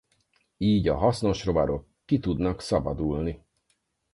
Így a hasznos rovarok ki tudnak szabadulni.